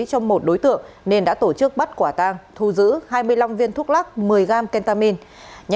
trong một đối tượng nên đã tổ chức bắt quả tàng thu giữ hai mươi năm viên thuốc lắc một mươi gram kentamin